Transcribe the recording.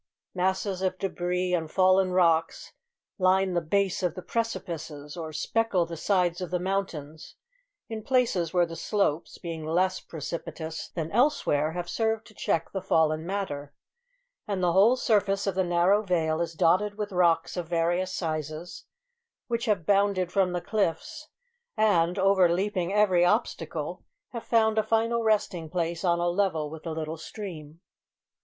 Masses of debris and fallen rocks line the base of the precipices, or speckle the sides of the mountains in places where the slopes, being less precipitous than elsewhere, have served to check the fallen matter; and the whole surface of the narrow vale is dotted with rocks of various sizes, which have bounded from the cliffs, and, overleaping every obstacle, have found a final resting place on a level with the little stream.